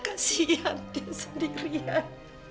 kasihan dia sendirian